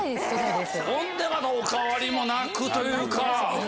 ほんでお変わりもなくというか。